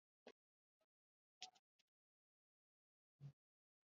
Sipendi nyama.